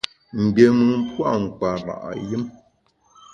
Mgbiémùn pua’ mkpara’ yùm.